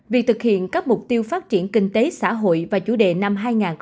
việc thực hiện các mục tiêu phát triển kinh tế xã hội và chủ đề năm hai nghìn hai mươi